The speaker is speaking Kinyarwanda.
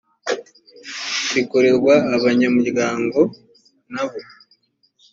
rikorerwa abanyamuryango n abo